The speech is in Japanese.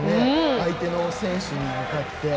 相手の選手に向かって。